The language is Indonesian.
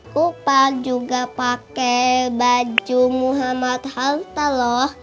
kupal juga pakai baju muhammad hatta loh